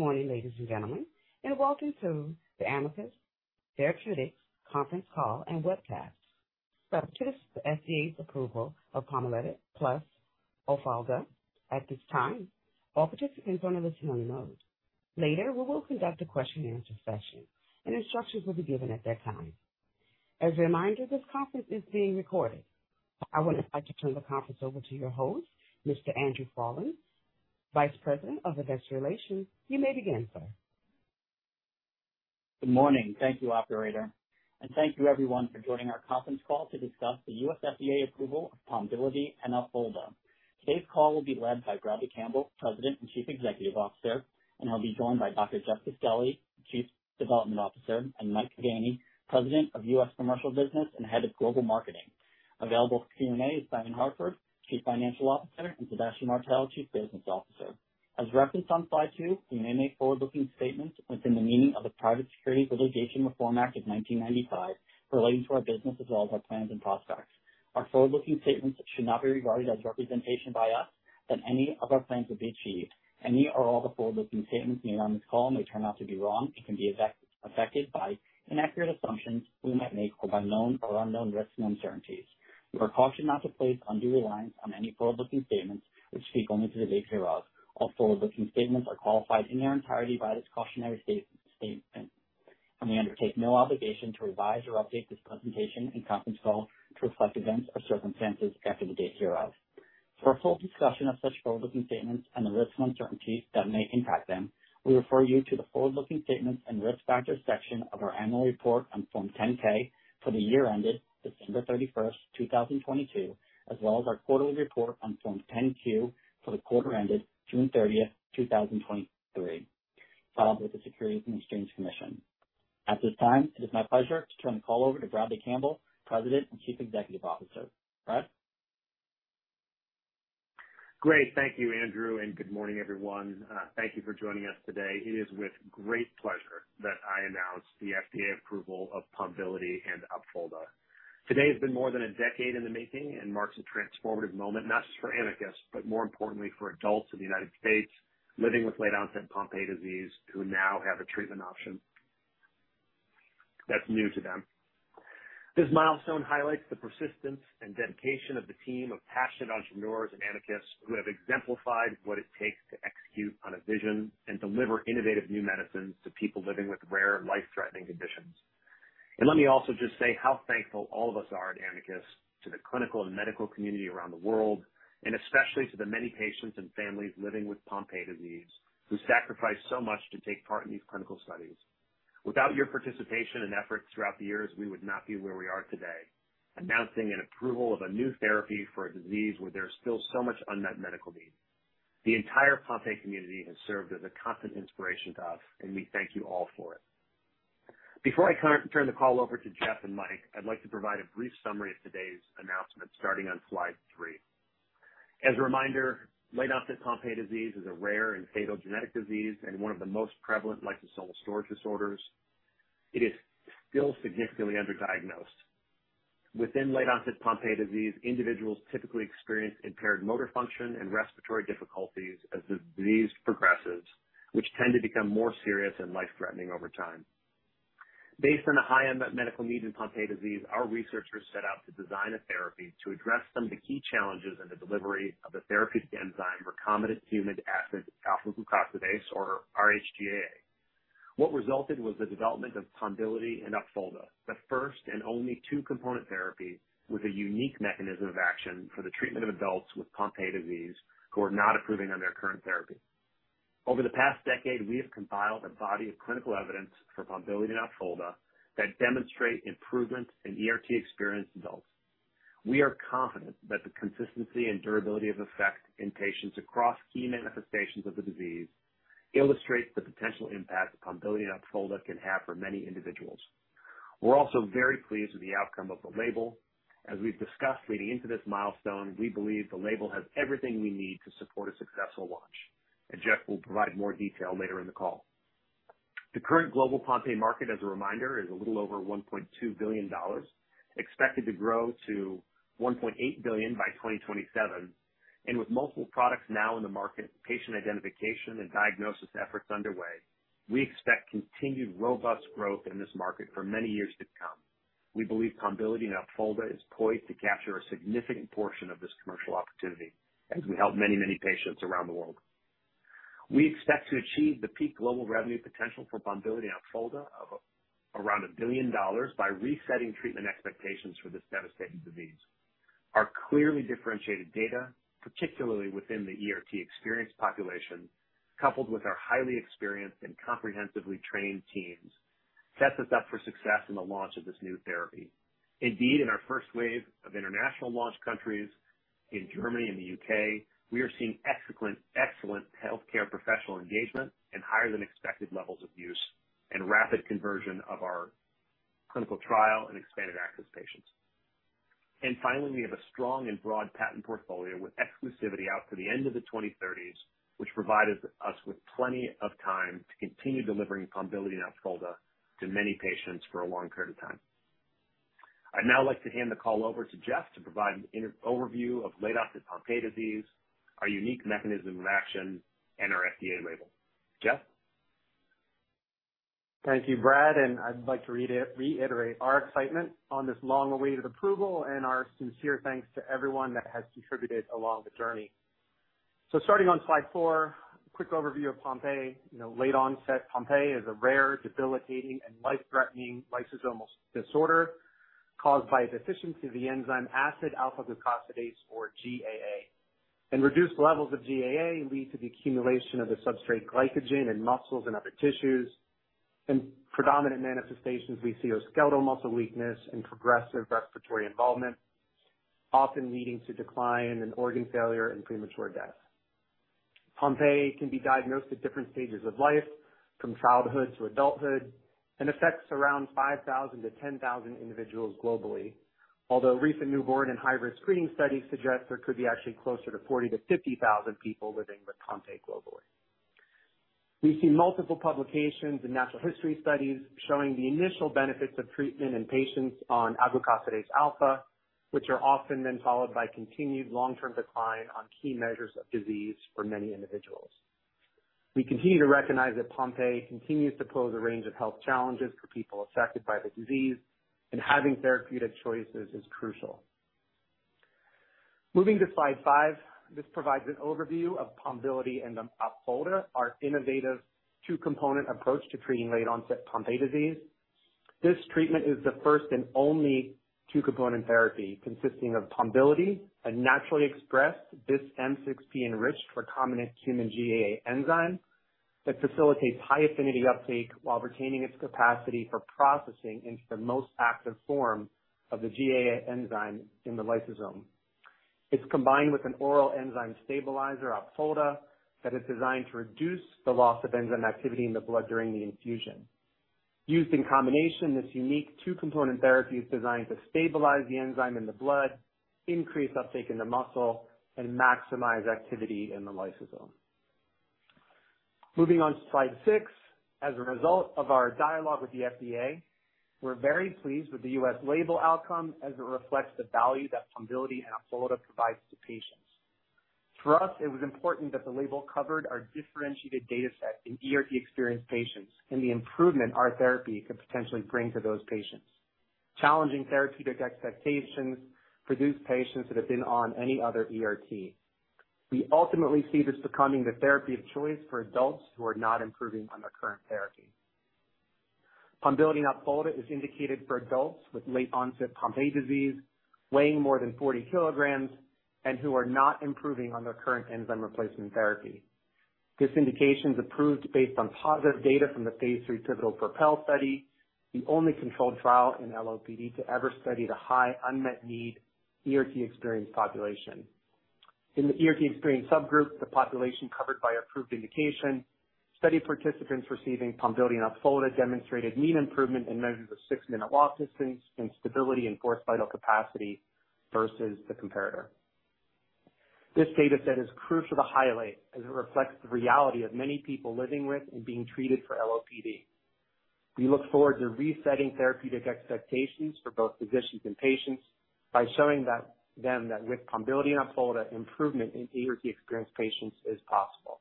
Morning, ladies and gentlemen, and welcome to the Amicus Therapeutics conference call and webcast, subject to the FDA's approval of Pombiliti + Opfolda. At this time, all participants are in a listen-only mode. Later, we will conduct a question and answer session, and instructions will be given at that time. As a reminder, this conference is being recorded. I would like to turn the conference over to your host, Mr. Andrew Faughnan, Vice President of Investor Relations. You may begin, sir. Good morning. Thank you, operator, and thank you everyone for joining our conference call to discuss the U.S. FDA approval of Pombiliti and Opfolda. Today's call will be led by Bradley Campbell, President and Chief Executive Officer, and he'll be joined by Dr. Jeff Castelli, Chief Development Officer, and Mike Ganey, President of U.S. Commercial Business and Head of Global Marketing. Available for Q&A is Simon Harford, Chief Financial Officer, and Sébastien Martel, Chief Business Officer. As referenced on slide two, we may make forward-looking statements within the meaning of the Private Securities Litigation Reform Act of 1995 relating to our business, as well as our plans and prospects. Our forward-looking statements should not be regarded as representation by us that any of our plans will be achieved. Any or all the forward-looking statements made on this call may turn out to be wrong and can be affected by inaccurate assumptions we might make, or by known or unknown risks and uncertainties. You are cautioned not to place undue reliance on any forward-looking statements, which speak only to the date hereof. All forward-looking statements are qualified in their entirety by this cautionary statement, and we undertake no obligation to revise or update this presentation and conference call to reflect events or circumstances after the date hereof. For a full discussion of such forward-looking statements and the risks and uncertainties that may impact them, we refer you to the forward-looking statements and risk factors section of our annual report on Form 10-K for the year ended December 31st, 2022, as well as our quarterly report on Form 10-Q for the quarter ended June 30th, 2023, filed with the Securities and Exchange Commission. At this time, it is my pleasure to turn the call over to Bradley Campbell, President and Chief Executive Officer. Brad? Great. Thank you, Andrew, and good morning, everyone. Thank you for joining us today. It is with great pleasure that I announce the FDA approval of Pombiliti and Opfolda. Today has been more than a decade in the making and marks a transformative moment, not just for Amicus, but more importantly, for adults in the United States living with late-onset Pompe disease, who now have a treatment option that's new to them. This milestone highlights the persistence and dedication of the team of passionate entrepreneurs and Amicus who have exemplified what it takes to execute on a vision and deliver innovative new medicines to people living with rare, life-threatening conditions. And let me also just say how thankful all of us are at Amicus to the clinical and medical community around the world, and especially to the many patients and families living with Pompe disease, who sacrificed so much to take part in these clinical studies. Without your participation and efforts throughout the years, we would not be where we are today, announcing an approval of a new therapy for a disease where there's still so much unmet medical need. The entire Pompe community has served as a constant inspiration to us, and we thank you all for it. Before I turn the call over to Jeff and Mike, I'd like to provide a brief summary of today's announcement, starting on slide three. As a reminder, late-onset Pompe disease is a rare and fatal genetic disease and one of the most prevalent lysosomal storage disorders. It is still significantly underdiagnosed. Within late-onset Pompe disease, individuals typically experience impaired motor function and respiratory difficulties as the disease progresses, which tend to become more serious and life-threatening over time. Based on the high unmet medical needs in Pompe disease, our researchers set out to design a therapy to address some of the key challenges in the delivery of the therapeutic enzyme, recombinant human acid alpha-glucosidase, or rhGAA. What resulted was the development of Pombiliti and Opfolda, the first and only two-component therapy with a unique mechanism of action for the treatment of adults with Pompe disease who are not improving on their current therapy. Over the past decade, we have compiled a body of clinical evidence for Pombiliti and Opfolda that demonstrate improvement in ERT-experienced adults. We are confident that the consistency and durability of effect in patients across key manifestations of the disease illustrates the potential impact Pombiliti and Opfolda can have for many individuals. We're also very pleased with the outcome of the label. As we've discussed leading into this milestone, we believe the label has everything we need to support a successful launch, and Jeff will provide more detail later in the call. The current global Pompe market, as a reminder, is a little over $1.2 billion, expected to grow to $1.8 billion by 2027, and with multiple products now in the market, patient identification and diagnosis efforts underway, we expect continued robust growth in this market for many years to come. We believe Pombiliti and Opfolda is poised to capture a significant portion of this commercial opportunity as we help many, many patients around the world. We expect to achieve the peak global revenue potential for Pombiliti and Opfolda of around $1 billion by resetting treatment expectations for this devastating disease. Our clearly differentiated data, particularly within the ERT-experienced population, coupled with our highly experienced and comprehensively trained teams, sets us up for success in the launch of this new therapy. Indeed, in our first wave of international launch countries, in Germany and the U.K., we are seeing excellent healthcare professional engagement and higher than expected levels of use and rapid conversion of our clinical trial and expanded access patients. Finally, we have a strong and broad patent portfolio with exclusivity out to the end of the 2030's, which provides us with plenty of time to continue delivering Pombiliti and Opfolda to many patients for a long period of time. I'd now like to hand the call over to Jeff to provide an inter- overview of late-onset Pompe disease, our unique mechanism of action, and our FDA label. Jeff? Thank you, Brad, and I'd like to reiterate our excitement on this long-awaited approval and our sincere thanks to everyone that has contributed along the journey. So starting on slide four, a quick overview of Pompe. You know, late-onset Pompe is a rare, debilitating, and life-threatening lysosomal disorder caused by a deficiency of the enzyme acid alpha-glucosidase, or GAA. And reduced levels of GAA lead to the accumulation of the substrate glycogen in muscles and other tissues. In predominant manifestations, we see skeletal muscle weakness and progressive respiratory involvement, often leading to decline in organ failure and premature death. Pompe can be diagnosed at different stages of life, from childhood to adulthood, and affects around 5,000-10,000 individuals globally. Although recent newborn and high-risk screening studies suggest there could be actually closer to 40,000-50,000 people living with Pompe globally. We've seen multiple publications and natural history studies showing the initial benefits of treatment in patients on acid alpha-glucosidase, which are often then followed by continued long-term decline on key measures of disease for many individuals. We continue to recognize that Pompe continues to pose a range of health challenges for people affected by the disease, and having therapeutic choices is crucial. Moving to slide five, this provides an overview of Pombiliti and Opfolda, our innovative two-component approach to treating late-onset Pompe disease. This treatment is the first and only two-component therapy, consisting of Pombiliti, a naturally expressed bis-M6P-enriched recombinant human GAA enzyme that facilitates high-affinity uptake while retaining its capacity for processing into the most active form of the GAA enzyme in the lysosome. It's combined with an oral enzyme stabilizer, Opfolda, that is designed to reduce the loss of enzyme activity in the blood during the infusion. Used in combination, this unique two-component therapy is designed to stabilize the enzyme in the blood, increase uptake in the muscle, and maximize activity in the lysosome. Moving on to slide six. As a result of our dialogue with the FDA, we're very pleased with the U.S. label outcome as it reflects the value that Pombiliti and Opfolda provides to patients. For us, it was important that the label covered our differentiated data set in ERT-experienced patients and the improvement our therapy could potentially bring to those patients. Challenging therapeutic expectations for those patients that have been on any other ERT. We ultimately see this becoming the therapy of choice for adults who are not improving on their current therapy. Pombiliti and Opfolda is indicated for adults with late-onset Pompe disease, weighing more than 40 kg, and who are not improving on their current enzyme replacement therapy. This indication is approved based on positive data from the phase III pivotal PROPEL study, the only controlled trial in LOPD to ever study the high unmet need ERT-experienced population. In the ERT-experienced subgroup, the population covered by approved indication, study participants receiving Pombiliti and Opfolda demonstrated mean improvement in measures of six-minute walk distance and stability in forced vital capacity versus the comparator. This data set is crucial to highlight as it reflects the reality of many people living with and being treated for LOPD. We look forward to resetting therapeutic expectations for both physicians and patients by showing them that with Pombiliti and Opfolda, improvement in ERT-experienced patients is possible.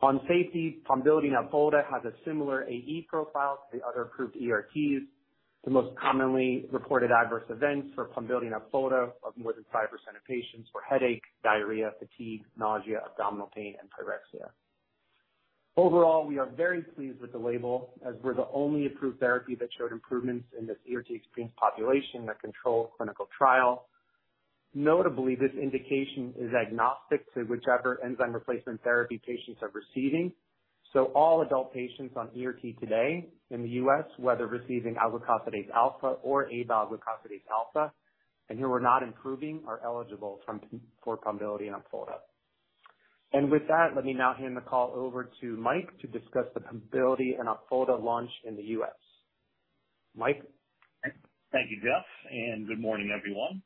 On safety, Pombiliti and Opfolda has a similar AE profile to the other approved ERTs. The most commonly reported adverse events for Pombiliti and Opfolda of more than 5% of patients were headache, diarrhea, fatigue, nausea, abdominal pain, and pyrexia. Overall, we are very pleased with the label, as we're the only approved therapy that showed improvements in this ERT-experienced population that controlled clinical trial. Notably, this indication is agnostic to whichever enzyme replacement therapy patients are receiving, so all adult patients on ERT today in the U.S., whether receiving alglucosidase alfa or avalglucosidase alfa, and who are not improving, are eligible for Pombiliti and Opfolda. With that, let me now hand the call over to Mike to discuss the Pombiliti and Opfolda launch in the U.S. Mike? Thank you, Jeff, and good morning, everyone.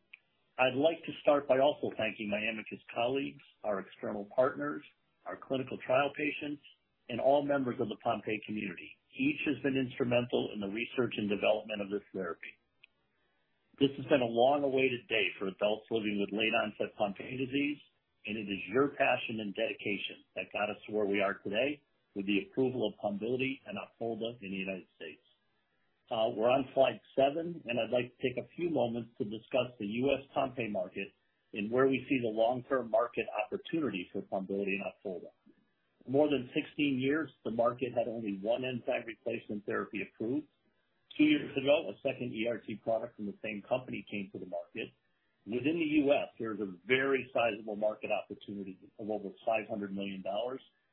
I'd like to start by also thanking my Amicus colleagues, our external partners, our clinical trial patients, and all members of the Pompe community. Each has been instrumental in the research and development of this therapy. This has been a long-awaited day for adults living with late-onset Pompe disease, and it is your passion and dedication that got us to where we are today with the approval of Pombiliti and Opfolda in the United States. We're on slide seven, and I'd like to take a few moments to discuss the U.S. Pompe market and where we see the long-term market opportunity for Pombiliti and Opfolda. More than 16 years, the market had only one enzyme replacement therapy approved. Two years ago, a second ERT product from the same company came to the market. Within the U.S., there is a very sizable market opportunity of over $500 million,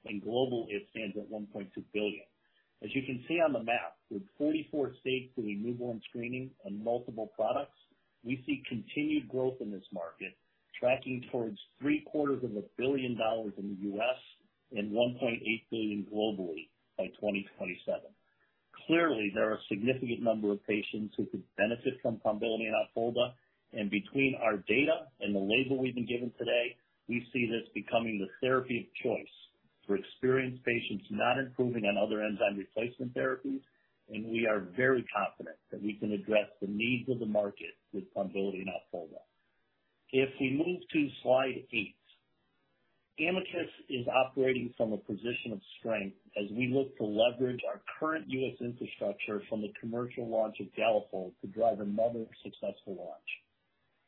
and global, it stands at $1.2 billion. As you can see on the map, with 44 states doing newborn screening on multiple products, we see continued growth in this market, tracking towards $750 million in the U.S. and $1.8 billion globally by 2027. Clearly, there are a significant number of patients who could benefit from Pombiliti and Opfolda, and between our data and the label we've been given today, we see this becoming the therapy of choice for experienced patients not improving on other enzyme replacement therapies, and we are very confident that we can address the needs of the market with Pombiliti and Opfolda. If we move to slide eight, Amicus is operating from a position of strength as we look to leverage our current U.S. infrastructure from the commercial launch of Galafold to drive another successful launch.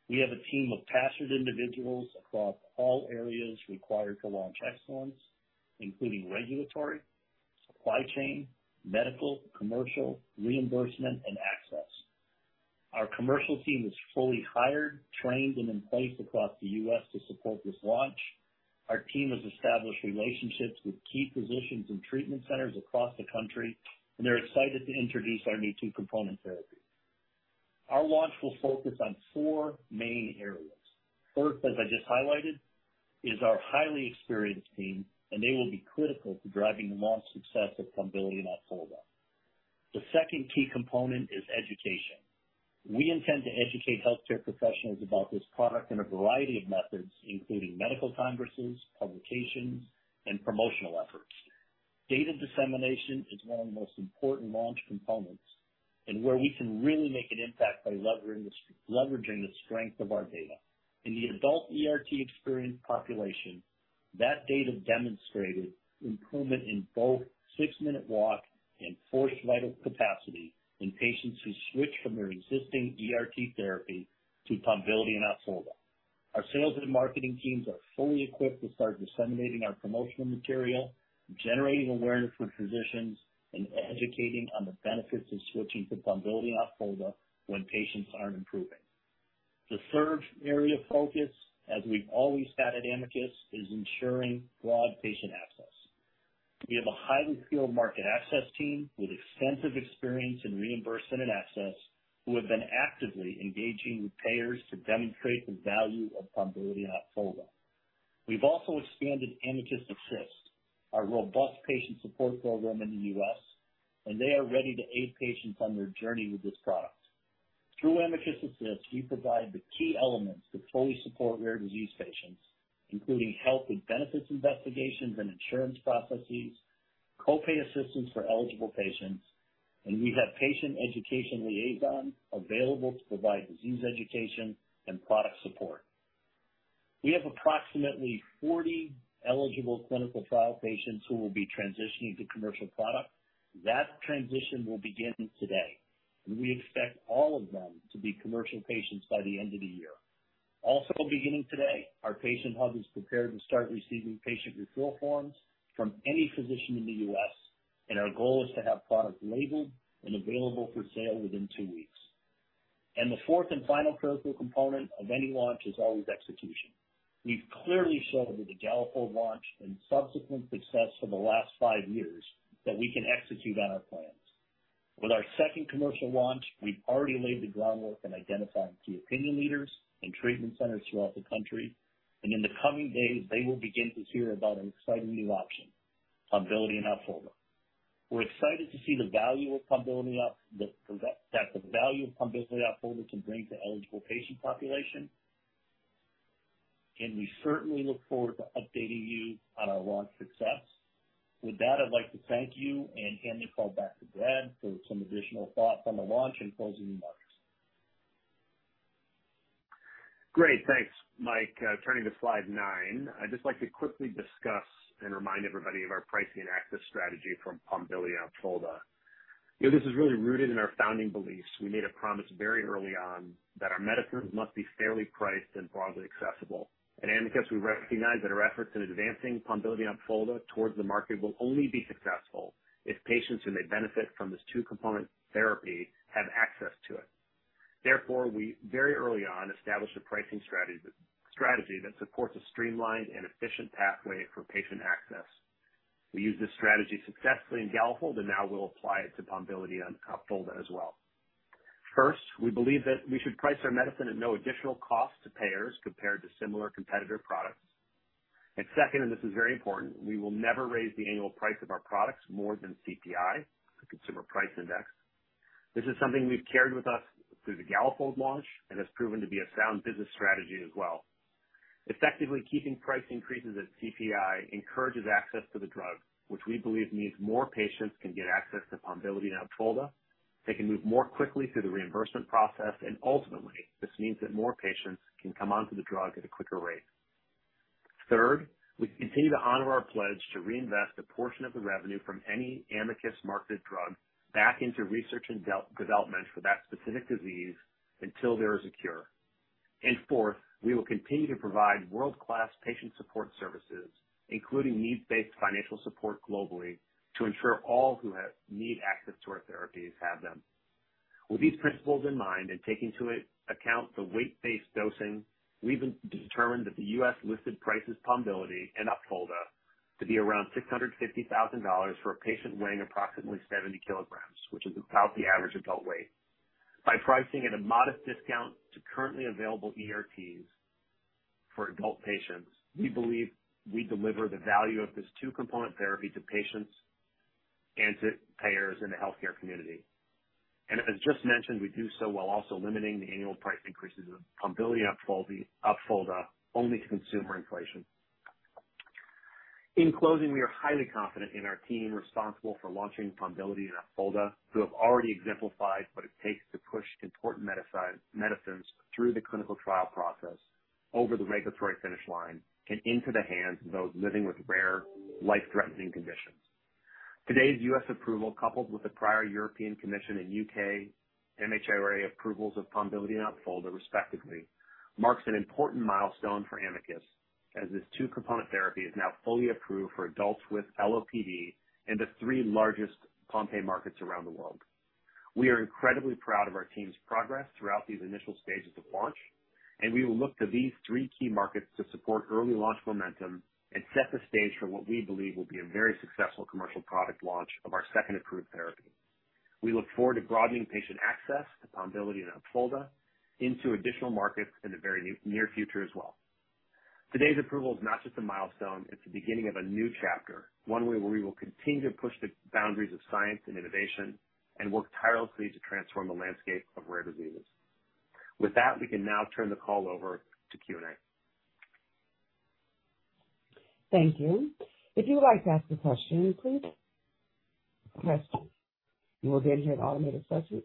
We have a team of passionate individuals across all areas required for launch excellence, including regulatory, supply chain, medical, commercial, reimbursement, and access. Our commercial team is fully hired, trained, and in place across the U.S. to support this launch. Our team has established relationships with key physicians and treatment centers across the country, and they're excited to introduce our new two-component therapy. Our launch will focus on four main areas. First, as I just highlighted, is our highly experienced team, and they will be critical to driving the launch success of Pombiliti and Opfolda. The second key component is education. We intend to educate healthcare professionals about this product in a variety of methods, including medical congresses, publications, and promotional efforts. Data dissemination is one of the most important launch components, and where we can really make an impact by leveraging the strength of our data. In the adult ERT experienced population, that data demonstrated improvement in both six-minute walk and forced vital capacity in patients who switched from their existing ERT therapy to Pombiliti and Opfolda. Our sales and marketing teams are fully equipped to start disseminating our promotional material, generating awareness for physicians, and educating on the benefits of switching to Pombiliti and Opfolda when patients aren't improving. The third area of focus, as we've always had at Amicus, is ensuring broad patient access. We have a highly skilled market access team with extensive experience in reimbursement and access, who have been actively engaging with payers to demonstrate the value of Pombiliti and Opfolda. We've also expanded Amicus Assist, our robust patient support program in the U.S., and they are ready to aid patients on their journey with this product. Through Amicus Assist, we provide the key elements to fully support rare disease patients, including help with benefits investigations and insurance processes, co-pay assistance for eligible patients, and we have patient education liaison available to provide disease education and product support. We have approximately 40 eligible clinical trial patients who will be transitioning to commercial product. That transition will begin today, and we expect all of them to be commercial patients by the end of the year. Also beginning today, our patient hub is prepared to start receiving patient referral forms from any physician in the U.S., and our goal is to have product labeled and available for sale within two weeks. The fourth and final critical component of any launch is always execution. We've clearly shown with the Galafold launch and subsequent success for the last five years, that we can execute on our plans. With our second commercial launch, we've already laid the groundwork in identifying key opinion leaders and treatment centers throughout the country, and in the coming days, they will begin to hear about an exciting new option, Pombiliti and Opfolda. We're excited to see the value of Pombiliti and Opfolda can bring to eligible patient population. We certainly look forward to updating you on our launch success. With that, I'd like to thank you and hand the call back to Brad for some additional thoughts on the launch and closing remarks. Great. Thanks, Mike. Turning to slide nine, I'd just like to quickly discuss and remind everybody of our pricing and access strategy for Pombiliti and Opfolda. You know, this is really rooted in our founding beliefs. We made a promise very early on that our medicines must be fairly priced and broadly accessible. At Amicus, we recognize that our efforts in advancing Pombiliti and Opfolda towards the market will only be successful if patients who may benefit from this two-component therapy have access to it. Therefore, we very early on established a pricing strategy that supports a streamlined and efficient pathway for patient access. We used this strategy successfully in Galafold, and now we'll apply it to Pombiliti and Opfolda as well. First, we believe that we should price our medicine at no additional cost to payers compared to similar competitor products. And second, and this is very important, we will never raise the annual price of our products more than CPI, the Consumer Price Index. This is something we've carried with us through the Galafold launch and has proven to be a sound business strategy as well. Effectively, keeping price increases at CPI encourages access to the drug, which we believe means more patients can get access to Pombiliti and Opfolda. They can move more quickly through the reimbursement process, and ultimately, this means that more patients can come onto the drug at a quicker rate. Third, we continue to honor our pledge to reinvest a portion of the revenue from any Amicus-marketed drug back into research and development for that specific disease until there is a cure. Fourth, we will continue to provide world-class patient support services, including needs-based financial support globally, to ensure all who need access to our therapies have them. With these principles in mind, and taking into account the weight-based dosing, we've determined that the U.S.-listed price is Pombiliti and Opfolda to be around $650,000 for a patient weighing approximately 70 kg, which is about the average adult weight. By pricing at a modest discount to currently available ERTs for adult patients, we believe we deliver the value of this two-component therapy to patients... and to payers in the healthcare community. And as just mentioned, we do so while also limiting the annual price increases of Pombiliti and Opfolda only to consumer inflation. In closing, we are highly confident in our team responsible for launching Pombiliti and Opfolda, who have already exemplified what it takes to push important medicines through the clinical trial process, over the regulatory finish line, and into the hands of those living with rare, life-threatening conditions. Today's U.S. approval, coupled with the prior European Commission and U.K. MHRA approvals of Pombiliti and Opfolda respectively, marks an important milestone for Amicus, as this two-component therapy is now fully approved for adults with LOPD in the three largest Pompe markets around the world. We are incredibly proud of our team's progress throughout these initial stages of launch, and we will look to these three key markets to support early launch momentum and set the stage for what we believe will be a very successful commercial product launch of our second approved therapy. We look forward to broadening patient access to Pombiliti and Opfolda into additional markets in the very near future as well. Today's approval is not just a milestone, it's the beginning of a new chapter, one where we will continue to push the boundaries of science and innovation and work tirelessly to transform the landscape of rare diseases. With that, we can now turn the call over to Q&A. Thank you. If you would like to ask a question, please press. You will then hear an automated message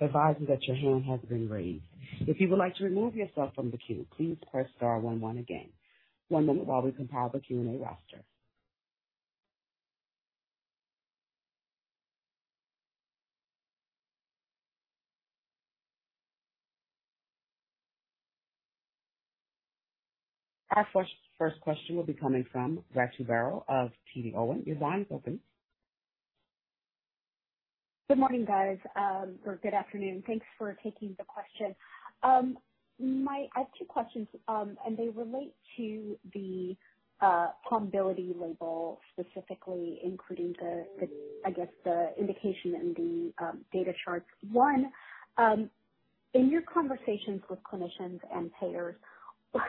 advising that your hand has been raised. If you would like to remove yourself from the queue, please press star one one again. One moment while we compile the Q&A roster. Our first, first question will be coming from Ritu Baral of TD Cowen. Your line is open. Good morning, guys. Or good afternoon. Thanks for taking the question. I have two questions, and they relate to the Pombiliti label, specifically including, I guess, the indication in the data charts. One, in your conversations with clinicians and payers,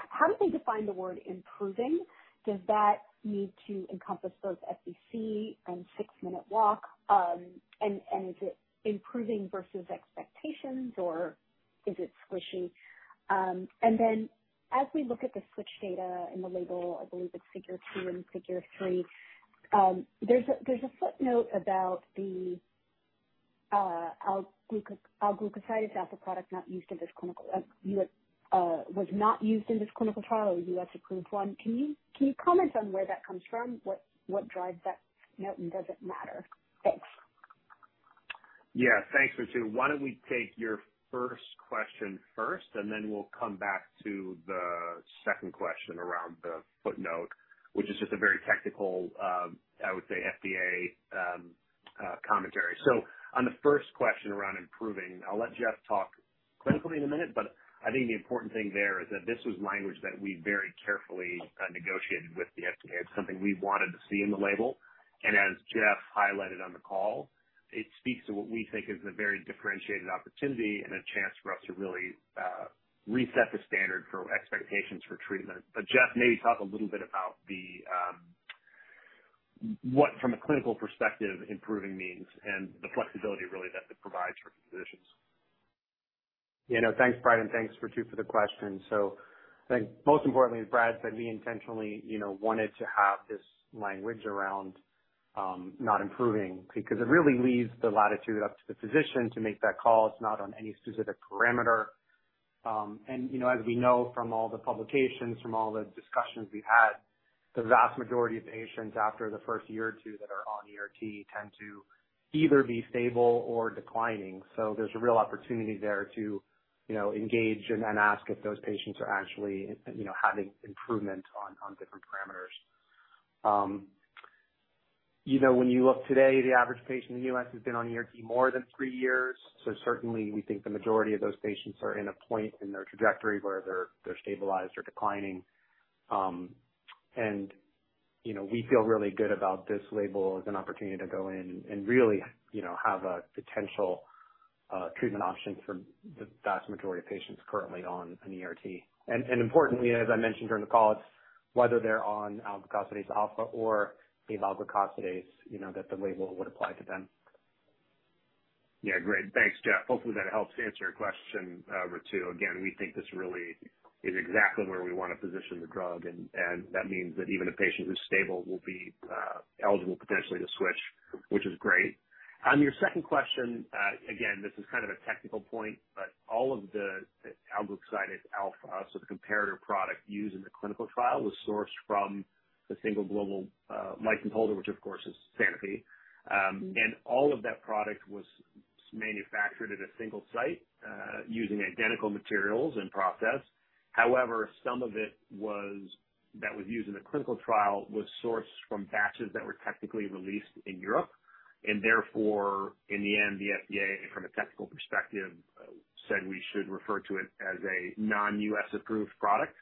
how do they define the word improving? Does that need to encompass both FVC and six-minute walk? And is it improving versus expectations, or is it squishy? And then as we look at the switch data in the label, I believe it's figure two and figure three, there's a footnote about the alglucosidase as a product not used in this clinical U.S. was not used in this clinical trial, the U.S. approved one. Can you comment on where that comes from? What drives that note, and does it matter? Thanks. Yeah. Thanks, Ritu. Why don't we take your first question first, and then we'll come back to the second question around the footnote, which is just a very technical, I would say FDA commentary. So on the first question around improving, I'll let Jeff talk clinically in a minute, but I think the important thing there is that this was language that we very carefully negotiated with the FDA. It's something we wanted to see in the label, and as Jeff highlighted on the call, it speaks to what we think is a very differentiated opportunity and a chance for us to really reset the standard for expectations for treatment. But Jeff, maybe talk a little bit about what from a clinical perspective, improving means and the flexibility really that it provides for physicians. Yeah, no, thanks, Brad, and thanks, Ritu, for the question. So I think most importantly, as Brad said, we intentionally, you know, wanted to have this language around not improving, because it really leaves the latitude up to the physician to make that call. It's not on any specific parameter. And, you know, as we know from all the publications, from all the discussions we've had, the vast majority of patients after the first year or two that are on ERT tend to either be stable or declining. So there's a real opportunity there to, you know, engage and then ask if those patients are actually, you know, having improvement on different parameters. You know, when you look today, the average patient in the U.S. has been on ERT more than three years. So certainly we think the majority of those patients are in a point in their trajectory where they're stabilized or declining. And, you know, we feel really good about this label as an opportunity to go in and really, you know, have a potential treatment option for the vast majority of patients currently on an ERT. And importantly, as I mentioned during the call, it's whether they're on alglucosidase alfa or the alglucosidase, you know, that the label would apply to them. Yeah, great. Thanks, Jeff. Hopefully, that helps to answer your question, Ritu. Again, we think this really is exactly where we want to position the drug, and, and that means that even a patient who's stable will be eligible potentially to switch, which is great. On your second question, again, this is kind of a technical point, but all of the alglucosidase alfa, so the comparator product used in the clinical trial, was sourced from the single global license holder, which of course is Sanofi. And all of that product was manufactured at a single site, using identical materials and process. However, some of it was, that was used in the clinical trial, was sourced from batches that were technically released in Europe, and therefore, in the end, the FDA, from a technical perspective, said we should refer to it as a non-U.S. approved product.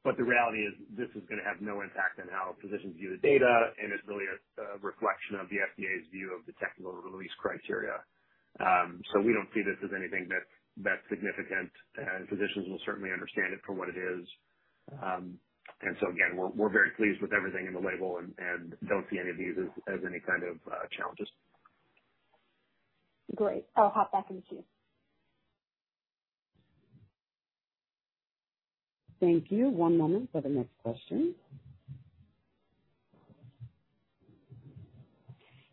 But the reality is this is gonna have no impact on how physicians view the data, and it's really a reflection of the FDA's view of the technical release criteria. So we don't see this as anything that's that significant, and physicians will certainly understand it for what it is. And so again, we're very pleased with everything in the label and don't see any of these as any kind of challenges. Great. I'll hop back in the queue. Thank you. One moment for the next question.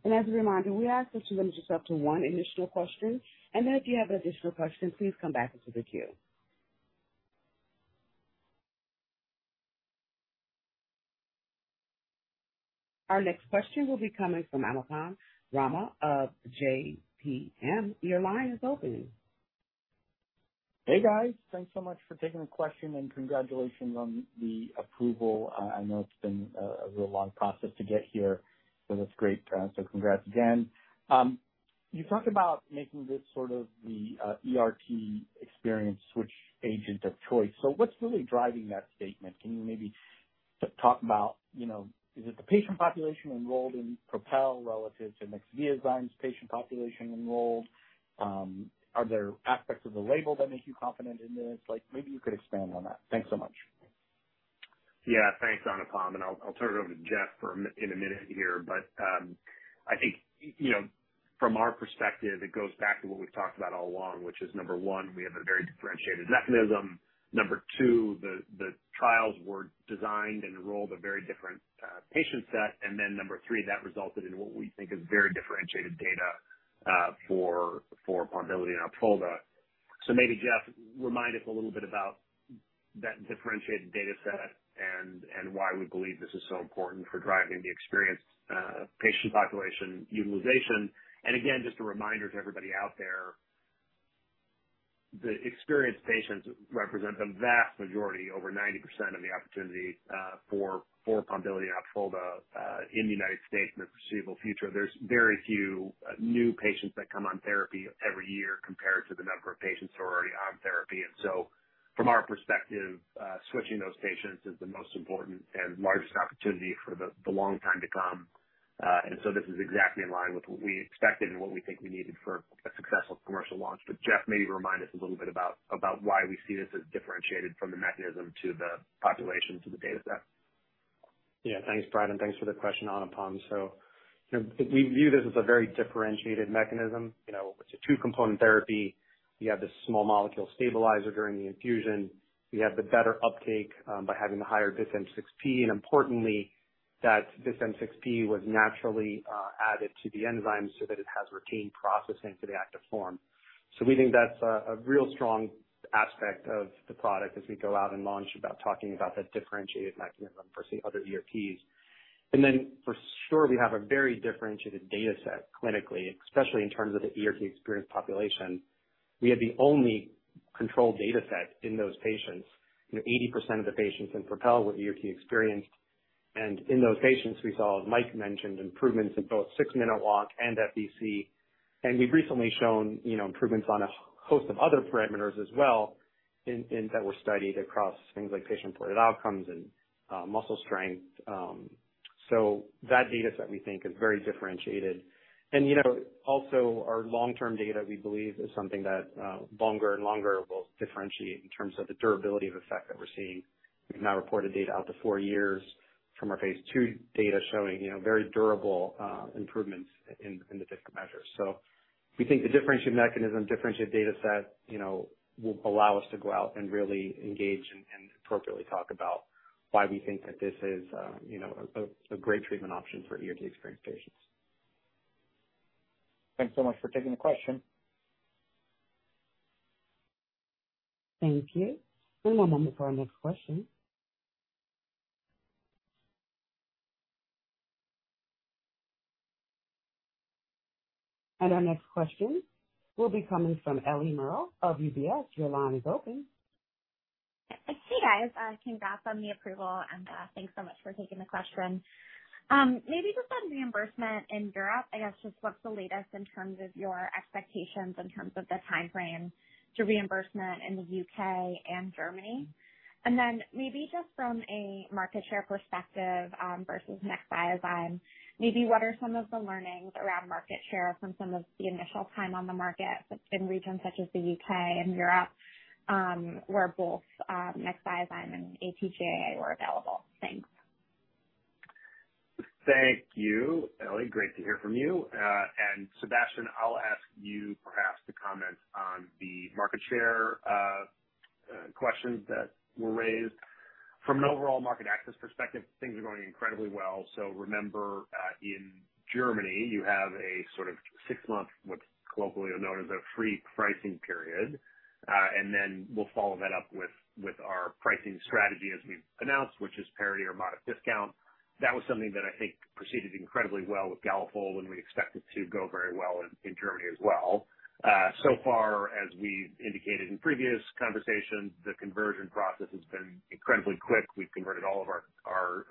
As a reminder, we ask that you limit yourself to one initial question, and then if you have an additional question, please come back into the queue. Our next question will be coming from Anupam Rama of JPM. Your line is open. Hey, guys. Thanks so much for taking the question and congratulations on the approval. I know it's been a real long process to get here, so that's great. So congrats again. You talked about making this sort of the ERT experience switch agent of choice. So what's really driving that statement? Can you maybe talk about, you know, is it the patient population enrolled in PROPEL relative to Nexviazyme's patient population enrolled? Are there aspects of the label that make you confident in this? Like, maybe you could expand on that. Thanks so much. Yeah. Thanks, Anupam, and I'll turn it over to Jeff in a minute here. But I think you know, from our perspective, it goes back to what we've talked about all along, which is, number one, we have a very differentiated mechanism. Number two, the trials were designed and enrolled a very different patient set. And then number three, that resulted in what we think is very differentiated data for Pombiliti and Opfolda. So maybe, Jeff, remind us a little bit about that differentiated data set and why we believe this is so important for driving the experienced patient population utilization. And again, just a reminder to everybody out there, the experienced patients represent the vast majority, over 90% of the opportunity for Pombiliti and Opfolda in the United States in the foreseeable future. There's very few new patients that come on therapy every year compared to the number of patients who are already on therapy. And so from our perspective, switching those patients is the most important and largest opportunity for the long time to come. And so this is exactly in line with what we expected and what we think we needed for a successful commercial launch. But, Jeff, maybe remind us a little bit about why we see this as differentiated from the mechanism to the population to the data set. Yeah. Thanks, Brad, and thanks for the question, Anupam. So, you know, we view this as a very differentiated mechanism. You know, it's a two-component therapy. You have this small molecule stabilizer during the infusion. You have the better uptake by having the higher bis-M6P, and importantly, that bis-M6P was naturally added to the enzyme so that it has retained processing for the active form. So we think that's a, a real strong aspect of the product as we go out and launch, about talking about that differentiated mechanism versus the other ERTs. And then for sure, we have a very differentiated data set clinically, especially in terms of the ERT experienced population. We have the only controlled data set in those patients, you know, 80% of the patients in PROPEL were ERT experienced. In those patients, we saw, as Mike mentioned, improvements in both six-minute walk and FVC. We've recently shown, you know, improvements on a host of other parameters as well in that were studied across things like patient-reported outcomes and muscle strength. So that data set, we think, is very differentiated. And, you know, also our long-term data, we believe, is something that longer and longer will differentiate in terms of the durability of effect that we're seeing. We've now reported data out to four years from our phase II data showing, you know, very durable improvements in the different measures. We think the differentiated mechanism, differentiated data set, you know, will allow us to go out and really engage and appropriately talk about why we think that this is, you know, a great treatment option for ERT-experienced patients. Thanks so much for taking the question. Thank you. One moment for our next question. Our next question will be coming from Ellie Merle of UBS. Your line is open. Hey, guys, congrats on the approval, and, thanks so much for taking the question. Maybe just on reimbursement in Europe, I guess just what's the latest in terms of your expectations in terms of the timeframe to reimbursement in the U.K. and Germany? And then maybe just from a market share perspective, versus Nexviazyme, maybe what are some of the learnings around market share from some of the initial time on the market in regions such as the U.K. and Europe, where both, Nexviazyme and AT-GAA were available? Thanks. Thank you, Ellie. Great to hear from you. And Sébastien, I'll ask you perhaps to comment on the market share questions that were raised. From an overall market access perspective, things are going incredibly well. So remember, in Germany, you have a sort of six-month, what's globally known as a free pricing period, and then we'll follow that up with our pricing strategy as we've announced, which is parity or modest discount. That was something that I think proceeded incredibly well with Galafold, and we expect it to go very well in Germany as well. So far, as we've indicated in previous conversations, the conversion process has been incredibly quick. We've converted all of our, our,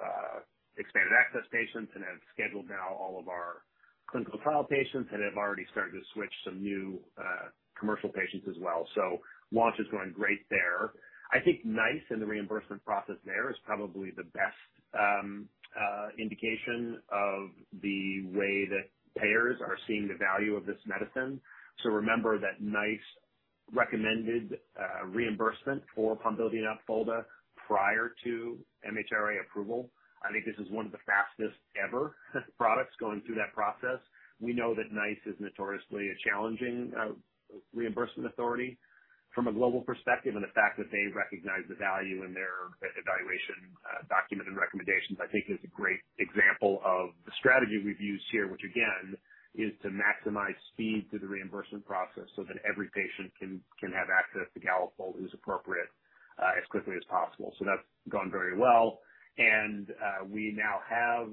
expanded access patients and have scheduled now all of our clinical trial patients and have already started to switch some new, commercial patients as well. So launch is going great there. I think NICE and the reimbursement process there is probably the best, indication of the way that payers are seeing the value of this medicine. So remember that NICE recommended reimbursement for Pombiliti and Opfolda prior to MHRA approval. I think this is one of the fastest ever products going through that process. We know that NICE is notoriously a challenging, reimbursement authority from a global perspective, and the fact that they recognize the value in their evaluation, document and recommendations, I think is a great example of the strategy we've used here. Which again is to maximize speed through the reimbursement process, so that every patient can, can have access to Galafold who's appropriate as quickly as possible. So that's gone very well. And we now have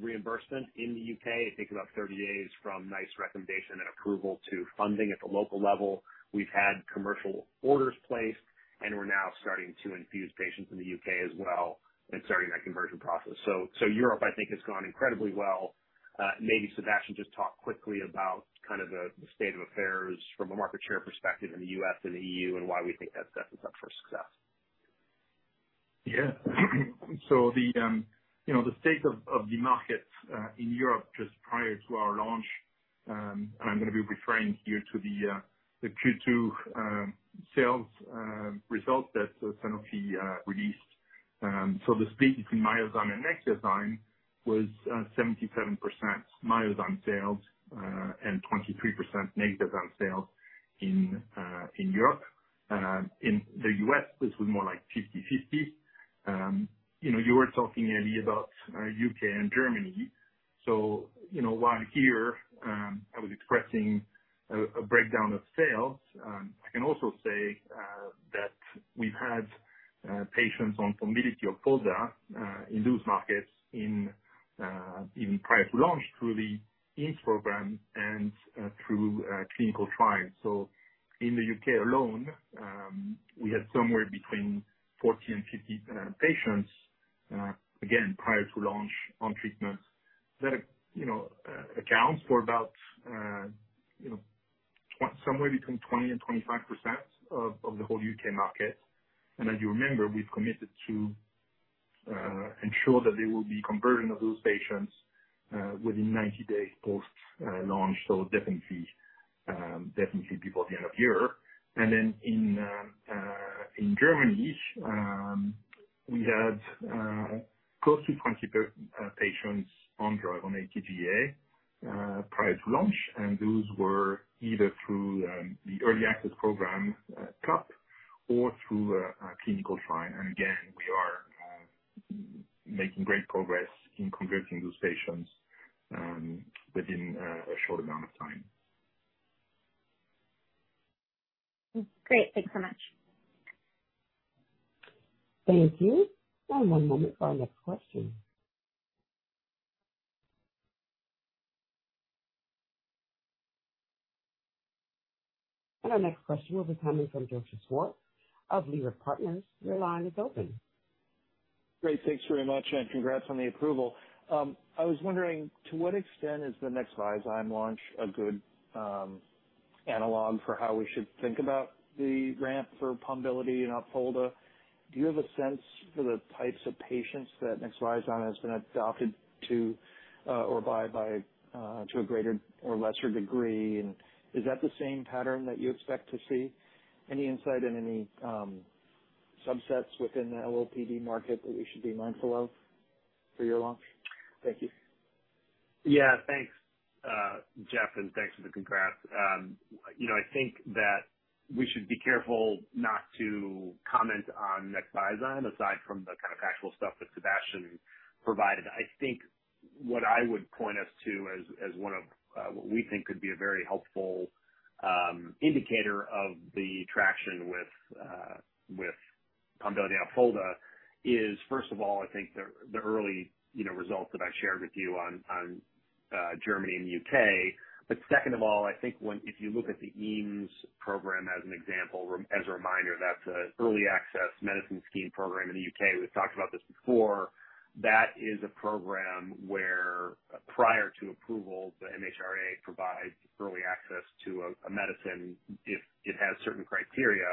reimbursement in the U.K. I think about 30 days from NICE recommendation and approval to funding at the local level. We've had commercial orders placed, and we're now starting to infuse patients in the U.K. as well, and starting that conversion process. So Europe, I think, has gone incredibly well. Maybe Sébastien just talk quickly about kind of the state of affairs from a market share perspective in the U.S. and the EU, and why we think that sets us up for success. Yeah. So the, you know, the state of the market in Europe, just prior to our launch, and I'm gonna be referring here to the Q2 sales results that Sanofi released. So the split between Myozyme and Nexviazyme was 77% Myozyme sales and 23% Nexviazyme sales in Europe. In the U.S., this was more like 50/50. You know, you were talking, Eddie, about U.K. and Germany, so, you know, while here I was expressing a breakdown of sales, I can also say that we've had patients on Pombiliti or Opfolda in those markets even prior to launch, through the EAMS program and through clinical trials. So in the U.K. alone, we had somewhere between 40 and 50 patients, again, prior to launch on treatment, that, you know, accounts for about, you know, somewhere between 20%-25% of the whole U.K. market. And as you remember, we've committed to ensure that there will be conversion of those patients within 90 days post launch. So definitely, definitely before the end of the year. And then in Germany, we had close to 20 patients on drug, on AT-GAA, prior to launch, and those were either through the early access program, CUP, or through a clinical trial. And again, we are making great progress in converting those patients within a short amount of time. Great. Thanks so much. Thank you. One moment for our next question. Our next question will be coming from Joseph Schwartz of Leerink Partners. Your line is open. Great. Thanks very much, and congrats on the approval. I was wondering, to what extent is the Nexviazyme launch a good analog for how we should think about the ramp for Pombiliti and Opfolda? Do you have a sense for the types of patients that Nexviazyme has been adopted to, or by, to a greater or lesser degree? And is that the same pattern that you expect to see? Any insight in any subsets within the LOPD market that we should be mindful of for your launch? Thank you. Yeah, thanks, Jeff, and thanks for the congrats. You know, I think that we should be careful not to comment on Nexviazyme, aside from the kind of factual stuff that Sébastien provided. I think what I would point us to as, as one of, what we think could be a very helpful, indicator of the traction with, with Pombiliti and Opfolda, is, first of all, I think the, the early, you know, results that I shared with you on, on, Germany and U.K. But second of all, I think if you look at the EAMS program as an example, as a reminder, that's a Early Access to Medicines Scheme program in the U.K. We've talked about this before. That is a program where, prior to approval, the MHRA provides early access to a, a medicine if it has certain criteria.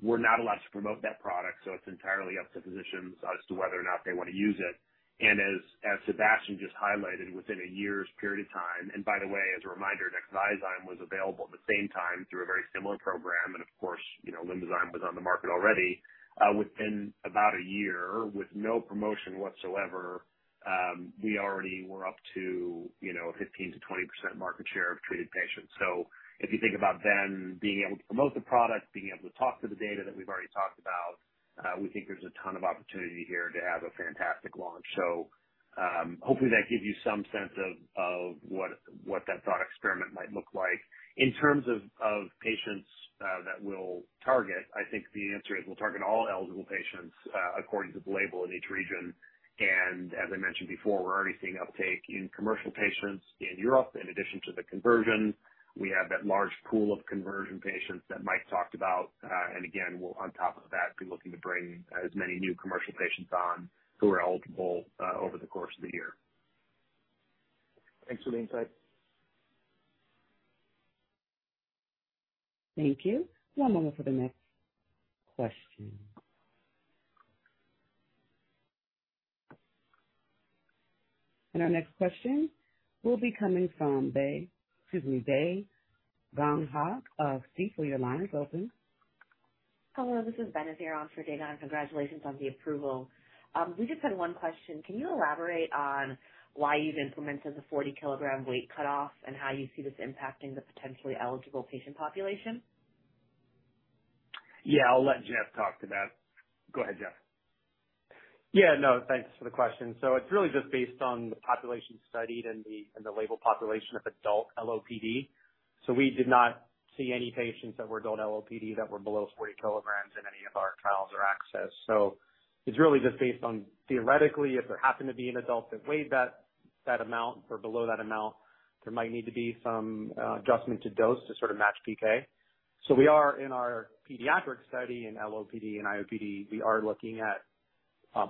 We're not allowed to promote that product, so it's entirely up to physicians as to whether or not they want to use it. As Sébastien just highlighted, within a year's period of time... And by the way, as a reminder, Nexviazyme was available at the same time through a very similar program, and of course, you know, Lumizyme was on the market already. Within about a year, with no promotion whatsoever, we already were up to, you know, 15%-20% market share of treated patients. So if you think about then being able to promote the product, being able to talk to the data that we've already talked about, we think there's a ton of opportunity here to have a fantastic launch. So, hopefully that gives you some sense of what that thought experiment might look like. In terms of patients that we'll target, I think the answer is we'll target all eligible patients according to the label in each region. As I mentioned before, we're already seeing uptake in commercial patients in Europe, in addition to the conversion. We have that large pool of conversion patients that Mike talked about. And again, we'll on top of that, be looking to bring as many new commercial patients on, who are eligible, over the course of the year. Thanks for the insight. Thank you. One moment for the next question.... Our next question will be coming from Dae, excuse me, Dae Gon Ha of Stifel. Your line is open. Hello, this is Benazir on for Dayna, and congratulations on the approval. We just had one question: Can you elaborate on why you've implemented the 40-kilogram weight cutoff, and how you see this impacting the potentially eligible patient population? Yeah, I'll let Jeff talk to that. Go ahead, Jeff. Yeah, no, thanks for the question. So it's really just based on the population studied and the, and the label population of adult LOPD. So we did not see any patients that were adult LOPD that were below 40 kg in any of our trials or access. So it's really just based on, theoretically, if there happened to be an adult that weighed that, that amount or below that amount, there might need to be some adjustment to dose to sort of match PK. So we are in our pediatric study in LOPD and IOPD, we are looking at,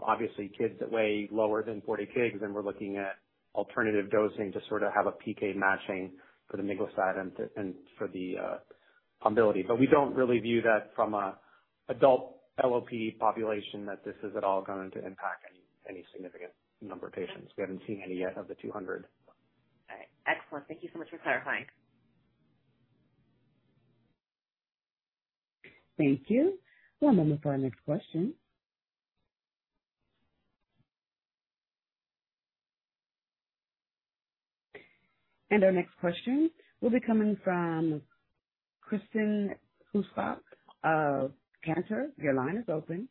obviously, kids that weigh lower than 40 kg, then we're looking at alternative dosing to sort of have a PK matching for the miglustat and to, and for the Pombiliti. But we don't really view that from a adult LOPD population, that this is at all going to impact any, any significant number of patients. We haven't seen any yet of the 200. All right. Excellent. Thank you so much for clarifying. Thank you. One moment for our next question. Our next question will be coming from Kristen Kluska of Cantor. Your line is open.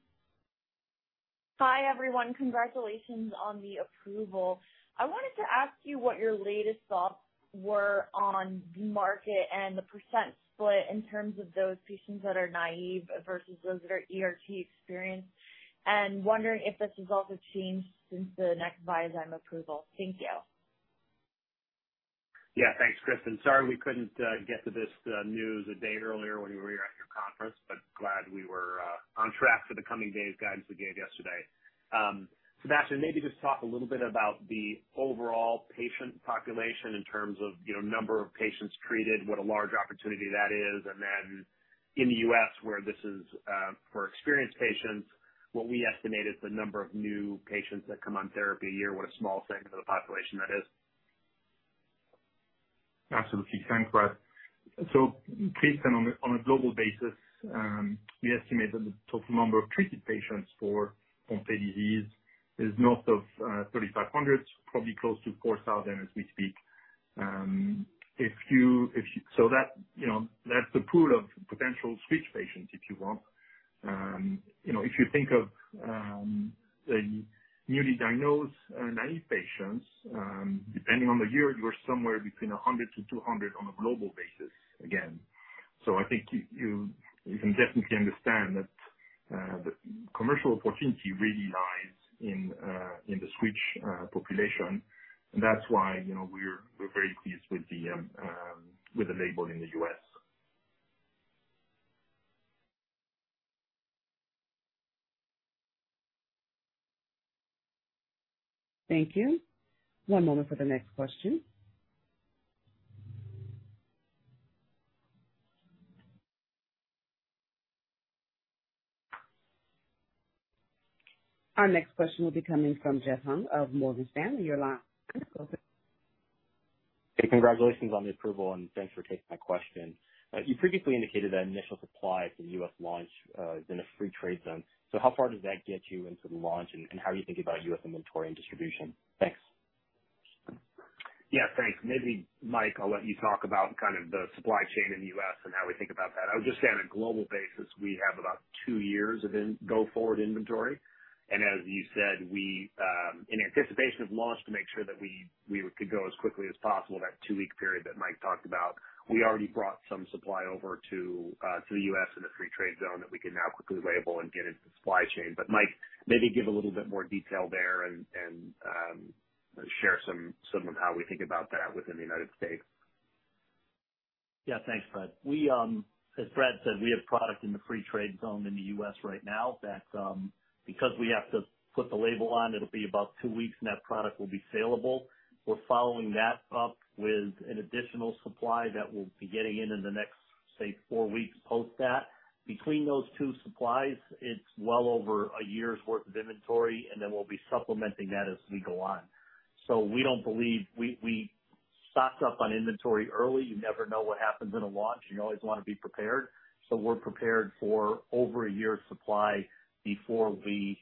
Hi, everyone. Congratulations on the approval. I wanted to ask you what your latest thoughts were on the market and the percent split in terms of those patients that are naive versus those that are ERT experienced, and wondering if this has also changed since the Nexviazyme approval. Thank you. Yeah. Thanks, Kristen. Sorry we couldn't get to this news a day earlier when you were at your conference, but glad we were on track for the coming days, guidance we gave yesterday. Sébastien, maybe just talk a little bit about the overall patient population in terms of, you know, number of patients treated, what a large opportunity that is, and then in the U.S. where this is for experienced patients, what we estimated the number of new patients that come on therapy a year, what a small segment of the population that is. Absolutely. Thanks, Brad. So, Kristen, on a global basis, we estimate that the total number of treated patients for Pompe disease is north of 3,500, probably close to 4,000 as we speak. So that, you know, that's the pool of potential switch patients, if you want. You know, if you think of the newly diagnosed naive patients, depending on the year, you're somewhere between 100-200 on a global basis, again. So I think you can definitely understand that the commercial opportunity really lies in the switch population. And that's why, you know, we're very pleased with the label in the U.S. Thank you. One moment for the next question. Our next question will be coming from Jeff Hung of Morgan Stanley. Your line is open. Hey, congratulations on the approval, and thanks for taking my question. You previously indicated that initial supply for the U.S. launch is in a free trade zone. So how far does that get you into the launch, and how are you thinking about U.S. inventory and distribution? Thanks. Yeah, thanks. Maybe, Mike, I'll let you talk about kind of the supply chain in the U.S. and how we think about that. I would just say on a global basis, we have about two years of in-going forward inventory, and as you said, we in anticipation of launch, to make sure that we could go as quickly as possible, that two-week period that Mike talked about, we already brought some supply over to the U.S. in a free trade zone that we can now quickly label and get into the supply chain. But Mike, maybe give a little bit more detail there and share some of how we think about that within the United States. Yeah. Thanks, Brad. We, as Brad said, we have product in the free trade zone in the U.S. right now that, because we have to put the label on, it'll be about two weeks and that product will be salable. We're following that up with an additional supply that we'll be getting in, in the next, say, four weeks post that. Between those two supplies, it's well over a year's worth of inventory, and then we'll be supplementing that as we go on. So we don't believe... We stocked up on inventory early. You never know what happens in a launch, and you always want to be prepared. So we're prepared for over a year of supply before we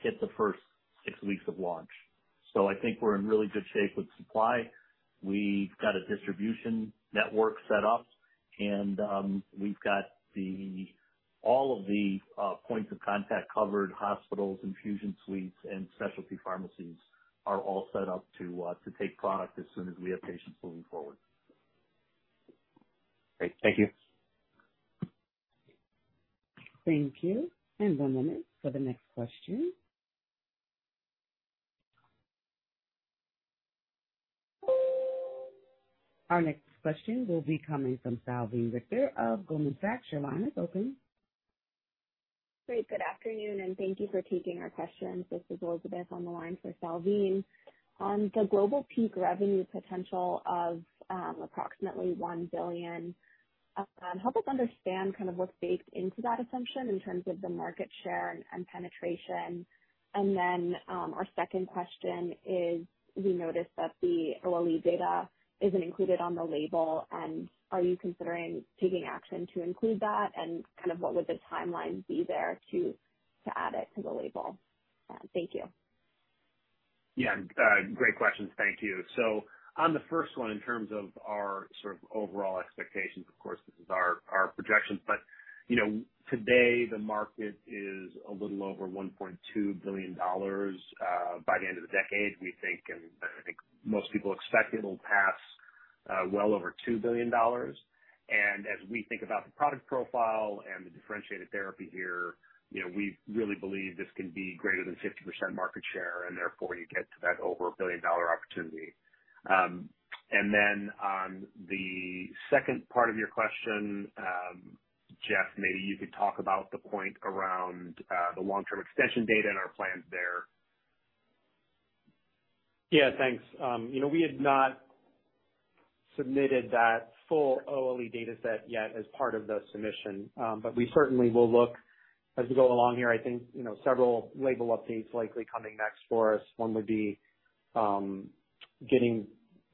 hit the first six weeks of launch. So I think we're in really good shape with supply. We've got a distribution network set up, and we've got all of the points of contact covered. Hospitals, infusion suites, and specialty pharmacies are all set up to take product as soon as we have patients moving forward. Great. Thank you. Thank you. And one moment for the next question. Our next question will be coming from Salveen Richter of Goldman Sachs. Your line is open. Great. Good afternoon, and thank you for taking our questions. This is Elizabeth on the line for Salveen. On the global peak revenue potential of approximately $1 billion-... Help us understand kind of what's baked into that assumption in terms of the market share and penetration. And then, our second question is: we noticed that the OLE data isn't included on the label, and are you considering taking action to include that? And kind of what would the timeline be there to add it to the label? Thank you. Yeah, great questions. Thank you. So on the first one, in terms of our sort of overall expectations, of course, this is our, our projections, but, you know, today the market is a little over $1.2 billion. By the end of the decade, we think, and I think most people expect, it'll pass, well over $2 billion. And as we think about the product profile and the differentiated therapy here, you know, we really believe this can be greater than 50% market share, and therefore, you get to that over a $1 billion opportunity. And then on the second part of your question, Jeff, maybe you could talk about the point around, the long-term extension data and our plans there. Yeah, thanks. You know, we had not submitted that full OLE data set yet as part of the submission, but we certainly will look as we go along here. I think, you know, several label updates likely coming next for us. One would be getting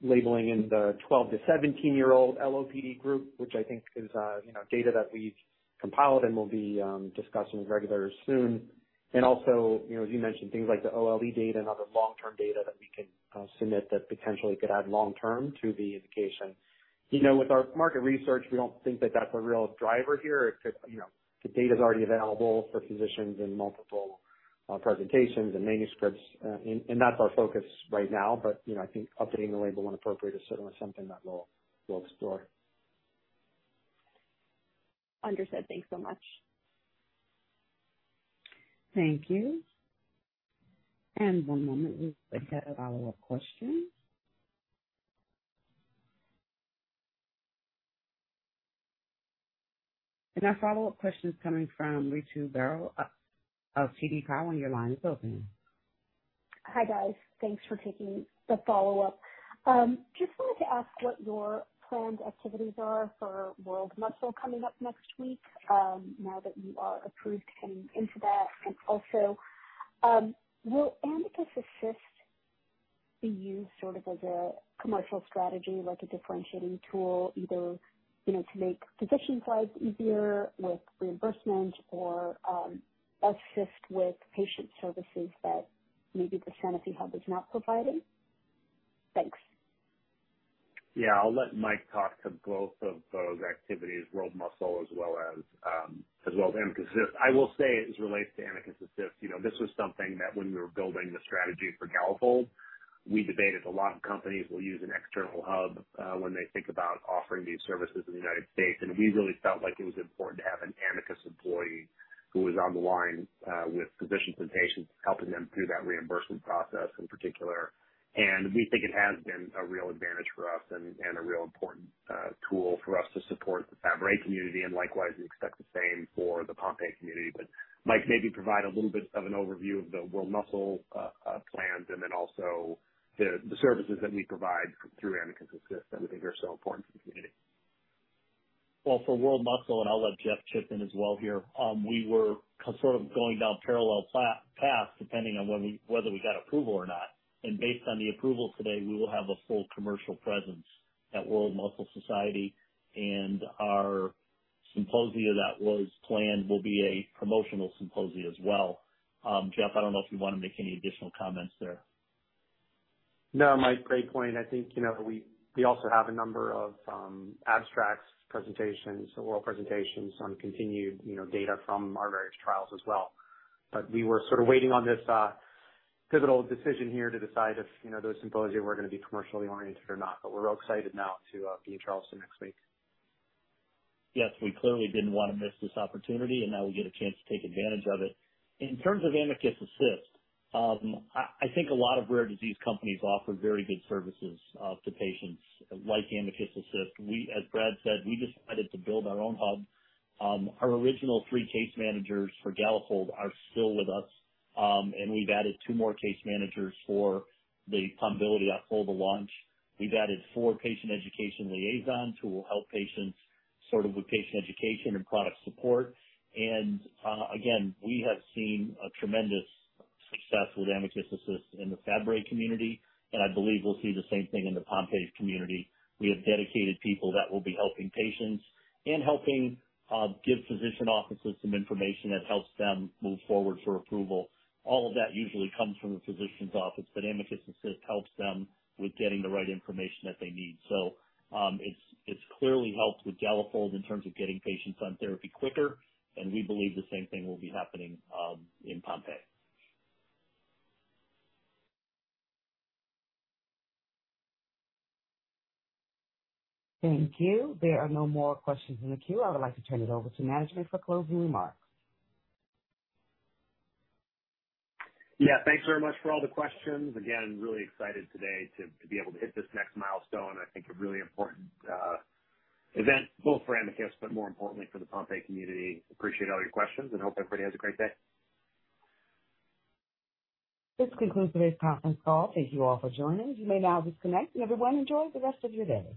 labeling in the 12-17-year-old LOPD group, which I think is, you know, data that we've compiled and will be discussing with regulators soon. And also, you know, as you mentioned, things like the OLE data and other long-term data that we can submit that potentially could add long-term to the indication. You know, with our market research, we don't think that that's a real driver here. It could, you know, the data's already available for physicians in multiple presentations and manuscripts. And that's our focus right now. You know, I think updating the label when appropriate is certainly something that we'll explore. Understood. Thanks so much. Thank you. One moment, we have a follow-up question. Our follow-up question is coming from Ritu Baral of TD Cowen. Your line is open. Hi, guys. Thanks for taking the follow-up. Just wanted to ask what your planned activities are for World Muscle coming up next week, now that you are approved coming into that. And also, will Amicus Assist be used sort of as a commercial strategy, like a differentiating tool, either, you know, to make physician trials easier with reimbursement or, assist with patient services that maybe the Sanofi Hub is not providing? Thanks. Yeah, I'll let Mike talk to both of those activities, World Muscle as well as Amicus Assist. I will say, as it relates to Amicus Assist, you know, this was something that when we were building the strategy for Galafold, we debated. A lot of companies will use an external hub, when they think about offering these services in the United States, and we really felt like it was important to have an Amicus employee who was on the line with physicians and patients, helping them through that reimbursement process in particular. And we think it has been a real advantage for us and a real important tool for us to support the Fabry community, and likewise, we expect the same for the Pompe community. But Mike, maybe provide a little bit of an overview of the World Muscle Society plans, and then also the services that we provide through Amicus Assist that we think are so important to the community. Well, for World Muscle Society, and I'll let Jeff chip in as well here, we were sort of going down parallel paths depending on whether we got approval or not, and based on the approval today, we will have a full commercial presence at World Muscle Society, and our symposia that was planned will be a promotional symposia as well. Jeff, I don't know if you want to make any additional comments there. No, Mike, great point. I think, you know, we also have a number of abstracts, presentations, oral presentations on continued, you know, data from our various trials as well. But we were sort of waiting on this pivotal decision here to decide if, you know, those symposia were going to be commercially oriented or not. But we're real excited now to be in Charleston next week. Yes, we clearly didn't want to miss this opportunity, and now we get a chance to take advantage of it. In terms of Amicus Assist, I think a lot of rare disease companies offer very good services to patients like Amicus Assist. We, as Brad said, we decided to build our own hub. Our original three case managers for Galafold are still with us, and we've added two more case managers for the Pombiliti + Opfolda launch. We've added four patient education liaisons who will help patients sort of with patient education and product support. And, again, we have seen a tremendous success with Amicus Assist in the Fabry community, and I believe we'll see the same thing in the Pompe community. We have dedicated people that will be helping patients and helping give physician offices some information that helps them move forward for approval. All of that usually comes from the physician's office, but Amicus Assist helps them with getting the right information that they need. So, it's clearly helped with Galafold in terms of getting patients on therapy quicker, and we believe the same thing will be happening in Pompe. Thank you. There are no more questions in the queue. I would like to turn it over to management for closing remarks. Yeah, thanks very much for all the questions. Again, really excited today to be able to hit this next milestone. I think a really important event, both for Amicus, but more importantly for the Pompe community. Appreciate all your questions and hope everybody has a great day. This concludes today's conference call. Thank you all for joining. You may now disconnect, and everyone, enjoy the rest of your day.